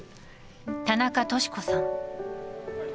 田中稔子さん。